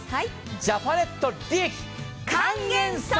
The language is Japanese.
ジャパネット利益還元祭。